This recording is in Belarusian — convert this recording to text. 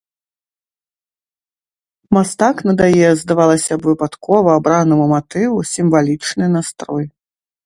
Мастак надае здавалася б выпадкова абранаму матыву сімвалічны настрой.